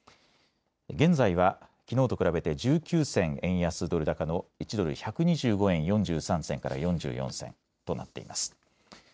現在は、きのうと比べて１９銭円安ドル高の１ドル１２５円４３銭から４４銭となっています。